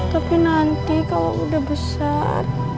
tapi nanti kalau udah besar